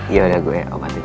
yaudah gue obatin lagi